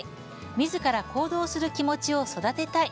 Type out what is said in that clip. みずから行動する気持ちを育てたい。